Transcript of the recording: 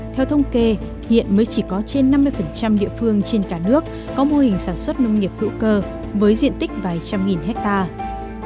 theo thông kê hiện mới chỉ có trên năm mươi địa phương trên cả nước có mô hình sản xuất nông nghiệp hữu cơ với diện tích vài trăm nghìn hectare